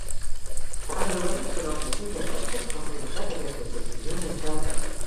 Ens agradaria saber els motius exactes que han provocat aquestes decisions en cada cas.